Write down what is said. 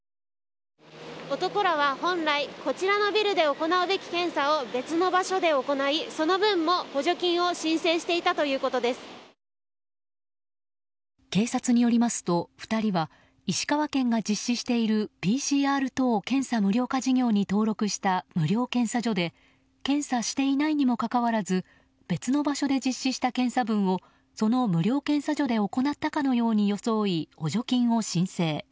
男らは本来こちらのビルで行うべき検査を別の場所で行い、その分も補助金を警察によりますと２人は石川県が実施しているＰＣＲ検査等無料化事業に登録した無料検査場で検査していないにもかかわらず別の場所で実施した検査分をその無料検査場で行ったかのように装い補助金を申請。